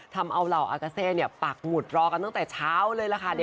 ทำเอาเหล่าอากาเซปากหงุดเรากำลังกลับกันตั้งแต่เช้าเลยนะคะ